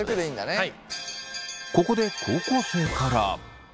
ここで高校生から。